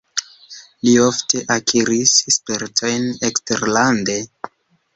Li ofte akiris spertojn eksterlande.